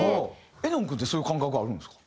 絵音君ってそういう感覚あるんですか？